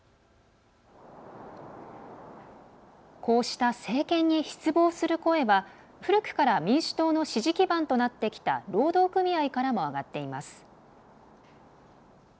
こうした政権に失望する声は古くから民主党の支持基盤となってきた労働組合からも上がっています。